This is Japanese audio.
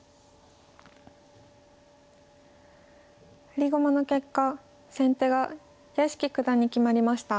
振り駒の結果先手が屋敷九段に決まりました。